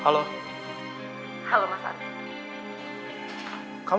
kalau kamu bisa dateng aku akan jemput kamu